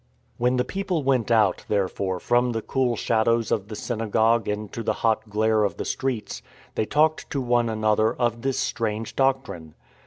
When the people went out, therefore, from the cool shadows of the synagogue into the hot glare of the streets, they talked to one another of this strange doctrine.